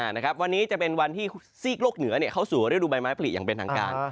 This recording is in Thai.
นะครับวันนี้จะเป็นวันที่ซีกโลกเหนือเข้าสู่ฤดูใบไม้ผลิตอย่างเป็นทางการ